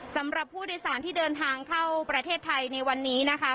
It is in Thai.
สำหรับผู้โดยสารที่เดินทางเข้าประเทศไทยในวันนี้นะคะ